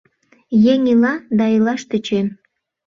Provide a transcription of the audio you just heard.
Еҥ ила, да илаш тӧчем